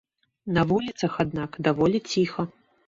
На вуліцах, аднак, даволі ціха.